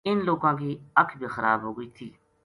ان لوکاں کی اکھ بے خراب ہو گئی تھی